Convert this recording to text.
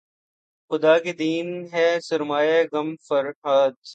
خدا کی دین ہے سرمایۂ غم فرہاد